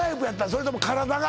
それとも体が？